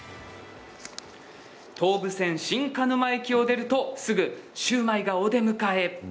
東武線新鹿沼駅を出るとすぐシューマイがお出迎え。